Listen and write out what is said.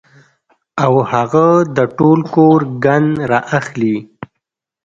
او هغه د ټول کور ګند را اخلي